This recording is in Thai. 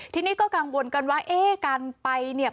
ทีนี้ก็กังวลกันว่าเอ๊ะการไปเนี่ย